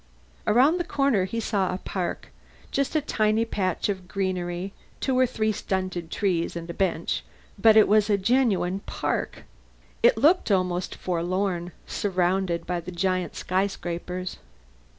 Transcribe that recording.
Around the corner he saw a park just a tiny patch of greenery, two or three stunted trees and a bench, but it was a genuine park. It looked almost forlorn surrounded by the giant skyscrapers.